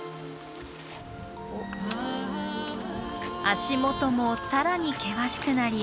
足元も更に険しくなり。